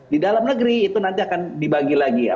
di dalam negeri itu nanti akan dibagi lagi ya